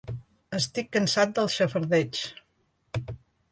Estic cansat del xafardeig.